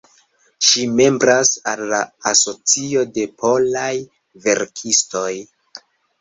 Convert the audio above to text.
Ŝi membras al la Asocio de Polaj Verkistoj.